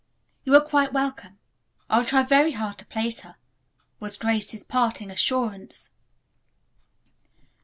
"You are quite welcome. I will try very hard to place her," was Grace's parting assurance.